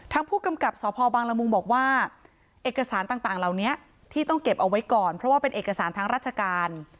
ทางผู้กำกับสพบังละมุงบอกว่าเอกสารต่างเหล่านี้ที่ต้องเก็บเอาไว้ก่อนเพราะว่าเป็นเอกสารทางราชการ